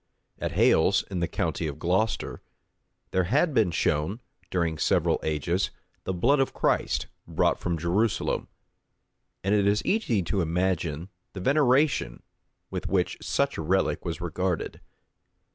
At Hales, in the county of Glocester, there had been shown, during several ages, the blood of Christ, brought from Jerusalem; and it is easy to imagine the veneration with which such a relic was regarded.